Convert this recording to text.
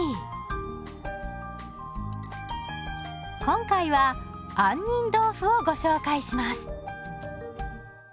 今回は杏仁豆腐をご紹介します。